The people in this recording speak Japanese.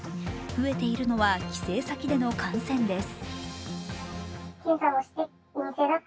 増えているのは帰省先での感染です。